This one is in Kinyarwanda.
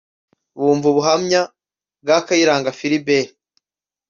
bumva ubuhamya bwa Kayiranga Philbert